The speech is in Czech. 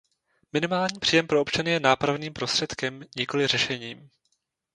Minimální příjem pro občany je nápravným prostředkem, nikoli řešením.